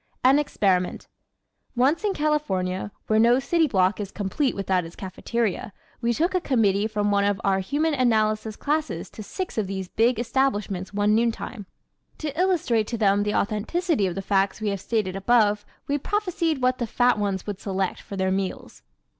An Experiment ¶ Once in California, where no city block is complete without its cafeteria, we took a committee from one of our Human Analysis classes to six of these big establishments one noontime. To illustrate to them the authenticity of the facts we have stated above we prophesied what the fat ones would select for their meals.